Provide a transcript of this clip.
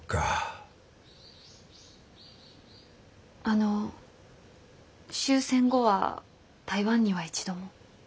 あの終戦後は台湾には一度も？